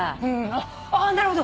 あっなるほど。